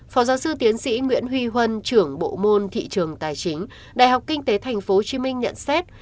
phó giáo sư tiến sĩ nguyễn huy huân trưởng bộ môn thị trường tài chính đại học kinh tế tp hcm nhận xét